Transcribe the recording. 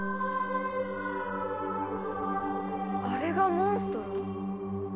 あれがモンストロ？